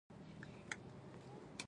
بیدیا د رنګ او حسن